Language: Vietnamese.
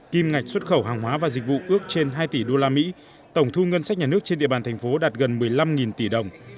kim ngạch xuất khẩu hàng hóa và dịch vụ ước trên hai tỷ usd tổng thu ngân sách nhà nước trên địa bàn thành phố đạt gần một mươi năm tỷ đồng